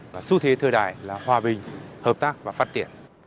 và xu thế thời đại là hòa bình hợp tác và phát triển